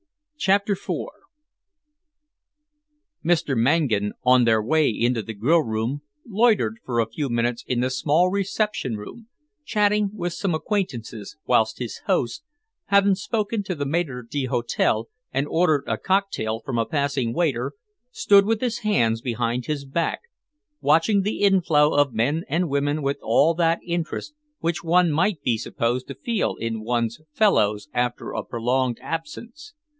CHAPTER IV Mr. Mangan, on their way into the grill room, loitered for a few minutes in the small reception room, chatting with some acquaintances, whilst his host, having spoken to the maître d'hôtel and ordered a cocktail from a passing waiter, stood with his hands behind his back, watching the inflow of men and women with all that interest which one might be supposed to feel in one's fellows after a prolonged absence.